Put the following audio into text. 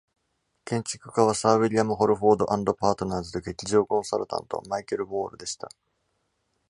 建築家は Sir William Holford and Partners と劇場コンサルタント Michael Warre でした。